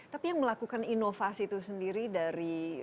tapi yang melakukan inovasi itu sendiri dari